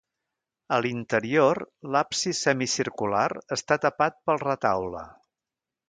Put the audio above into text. A l'interior l'absis semicircular està tapat pel retaule.